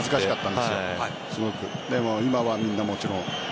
でも今はみんなもちろん。